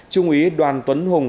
trung úy đoàn tuấn hùng